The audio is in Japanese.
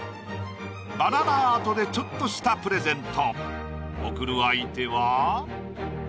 バナナアートでちょっとしたプレゼント。